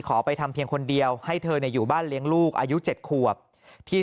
ไปทำเพียงคนเดียวให้เธออยู่บ้านเลี้ยงลูกอายุ๗ขวบที่